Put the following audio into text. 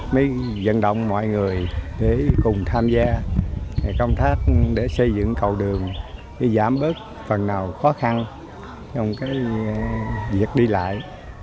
mới dẫn động mọi người để cùng tham gia công tác để xây dựng cầu đường để giảm bớt phần nào khó khăn trong việc đi lại